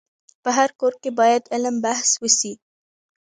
په هر کور کي باید علم بحث وسي.